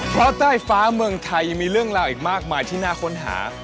เพราะใต้ฟ้าเมืองไทยยังมีเรื่องราวอีกมากมายที่น่าค้นหา